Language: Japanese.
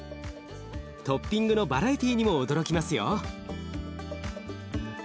トッピングのバラエティーにも驚きますよ。